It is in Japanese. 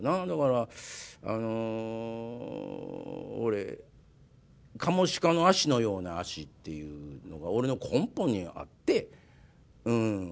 だからあの俺「カモシカの足のような足」っていうのが俺の根本にあってうん。